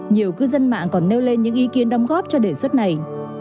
nhiều cư dân mạng còn nêu lên những ý kiến đóng góp cho đề xuất này